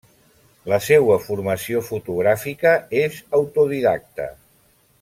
La seua formació fotogràfica és autodidacta.